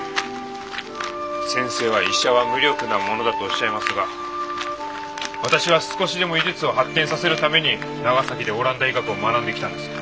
先生は医者は無力なものだとおっしゃいますが私は少しでも医術を発展させるために長崎でオランダ医学を学んできたんです。